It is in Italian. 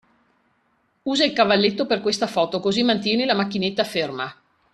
Usa il cavalletto per questa foto, così mantieni la macchinetta ferma.